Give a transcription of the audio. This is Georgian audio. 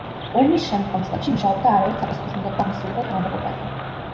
ომის შემდგომ წლებში მუშაობდა არაერთ საპასუხისმგებლო აღმასრულებელ თანამდებობაზე.